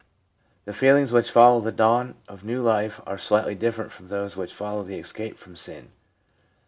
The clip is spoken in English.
The feelings which follow the dawn of new life are slightly different from those which follow the escape from sin.